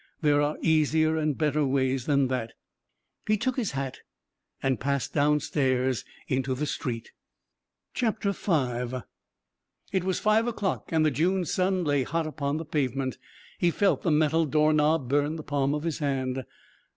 There are easier and better ways than that." He took his hat and passed downstairs into the street. 5 It was five o'clock, and the June sun lay hot upon the pavement. He felt the metal door knob burn the palm of his hand.